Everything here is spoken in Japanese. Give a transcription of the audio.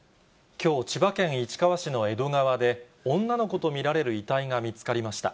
きょう、千葉県市川市の江戸川で、女の子と見られる遺体が見つかりました。